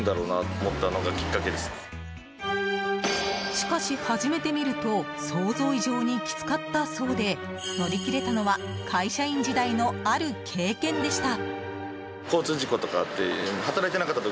しかし、始めてみると想像以上にきつかったそうで乗り切れたのは会社員時代のある経験でした。